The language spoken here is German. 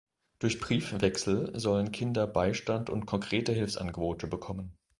Durch Briefwechsel sollen Kinder Beistand und konkrete Hilfsangebote bekommen.